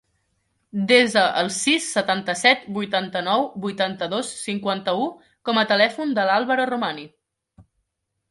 Desa el sis, setanta-set, vuitanta-nou, vuitanta-dos, cinquanta-u com a telèfon del Álvaro Romani.